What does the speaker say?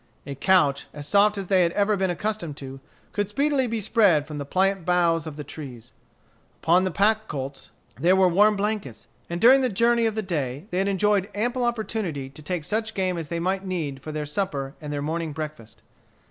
A couch, as soft as they had ever been accustomed to, could speedily be spread from the pliant boughs of trees. Upon the pack colts there were warm blankets. And during the journey of the day they had enjoyed ample opportunity to take such game as they might need for their supper and their morning breakfast.